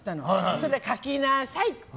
そうしたら書きなさいって。